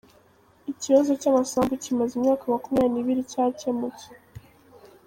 Ikibazo cy’amasambu kimaze imyaka makumyabiri nibiri cyakemutse